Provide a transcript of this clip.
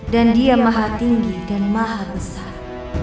dan dia maha tinggi dan maha besar